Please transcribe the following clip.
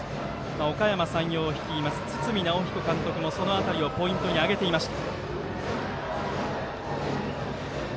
おかやま山陽を率いる堤尚彦監督も、その辺りをポイントに挙げていました。